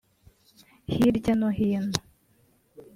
Hirya no hino